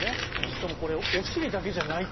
しかもこれお尻だけじゃないと。